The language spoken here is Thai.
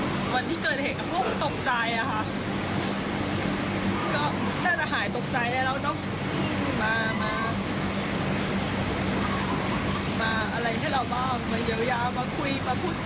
เราต้องมาอะไรแบบเยอะหยาบของคนนี้ไหม